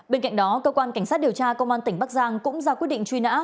bên cạnh đó cơ quan cảnh sát điều tra công an tỉnh bắc giang cũng ra quyết định truy nã